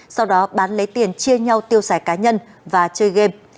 sau đó bán lấy tiền chia nhau tiêu xài cá nhân và chơi game